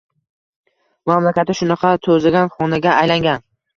mamlakati shunaqa «to‘zigan xona»ga aylangan